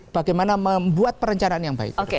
bagaimana membuat perencanaan yang baik